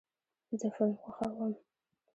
زه فلم خوښوم.